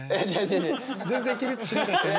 全然起立しなかったよね。